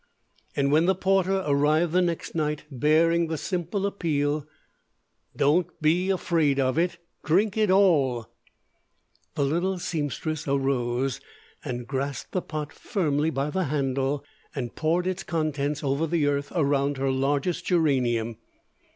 And when the porter arrived the next night, bearing the simple appeal Dont be afrade of it drink it all the little seamstress arose and grasped the pot firmly by the handle, and poured its contents over the earth around her largest geranium.